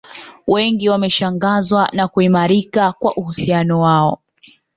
Wengi wameshangazwa na kuimarika kwa uhusiano wao